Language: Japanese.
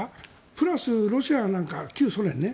プラス、ロシアなんかは旧ソ連ね